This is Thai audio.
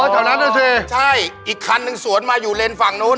อ๋อแถวนั้นแหละสิใช่อีกคันหนึ่งสวนมาอยู่เรนฝั่งนู้น